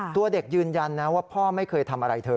ตัวเด็กยืนยันนะว่าพ่อไม่เคยทำอะไรเธอ